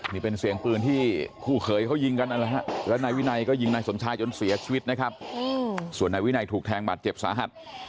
นี่เป็นเสียงปืนที่คู่เขยเขายิงกันนั่นแหละฮะแล้วนายวินัยก็ยิงนายสมชายจนเสียชีวิตนะครับส่วนนายวินัยถูกแทงบาดเจ็บสาหัส